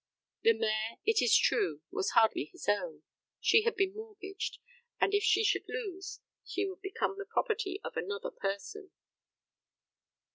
The mare, it is true, was hardly his own, she had been mortgaged, and if she should lose, she would become the property of another person.